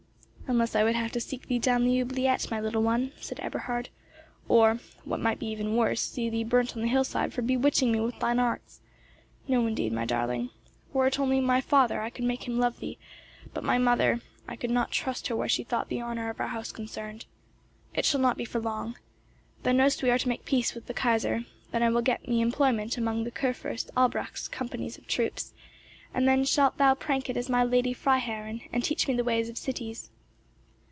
"Unless I would have to seek thee down the oubliette, my little one," said Eberhard "or, what might even be worse, see thee burnt on the hillside for bewitching me with thine arts! No, indeed, my darling. Were it only my father, I could make him love thee; but my mother—I could not trust her where she thought the honour of our house concerned. It shall not be for long. Thou know'st we are to make peace with the Kaiser, and then will I get me employment among Kürfurst Albrecht's companies of troops, and then shalt thou prank it as my Lady Freiherrinn, and teach me the ways of cities."